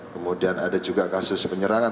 kemudian ada juga kasus penyerangan